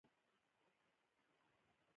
دا د ډیرو سیستمونو یوځای کولو ته اړتیا لري